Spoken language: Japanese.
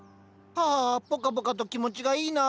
はぁポカポカと気持ちがいいな。